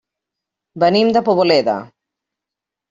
Venim de Poboleda.